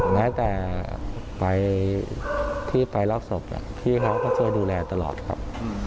แม้แต่ไปที่ไปรับศพพี่เขาก็ช่วยดูแลตลอดครับ